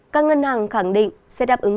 các ngân hàng khẳng định sẽ đáp ứng